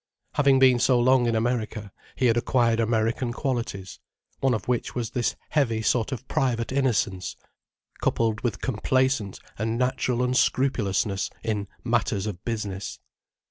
Having been so long in America, he had acquired American qualities, one of which was this heavy sort of private innocence, coupled with complacent and natural unscrupulousness in "matters of business."